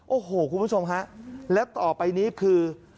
โอ้โหคุณผู้ชมฮะแล้วต่อไปนี้คือ